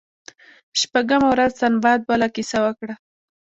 شپږمه ورځ سنباد بله کیسه وکړه.